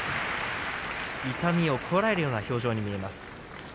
痛みをこらえるような表情が見られます。